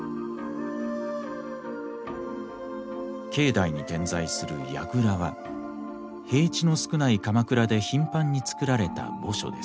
境内に点在するやぐらは平地の少ない鎌倉で頻繁に造られた墓所です。